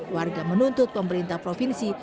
warga menuntut pemerintah provinsi